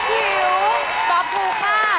ตอบถูกค่ะ